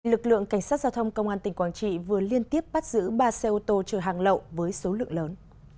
lực lượng cảnh sát giao thông công an tỉnh quảng trị vừa liên tiếp bắt giữ ba xe ô tô chở hàng lậu với số lượng lớn